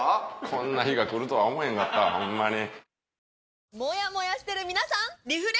こんな日が来るとは思えへんかったホンマに。